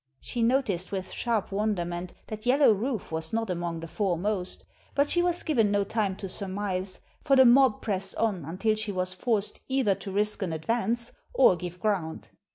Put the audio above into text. She noticed with sharp wonderment that Yellow Rufe was not among the foremost; but she was given no time to surmise, for the mob pressed on until she was forced either to risk an advance or give ground.